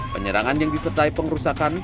penyerangan yang disertai pengrusakan